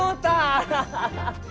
アハハハ！